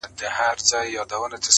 په خپل عقل او په پوهه دنیادار یې -